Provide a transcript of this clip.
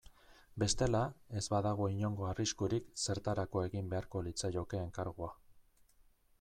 Bestela, ez badago inongo arriskurik zertarako egin beharko litzaioke enkargua.